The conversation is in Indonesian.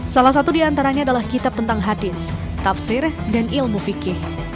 salah satu di antaranya adalah kitab tentang hadits tafsir dan ilmu fikir